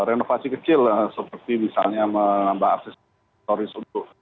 renovasi kecil seperti misalnya menambah akses